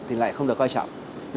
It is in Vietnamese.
thì lại không được quan trọng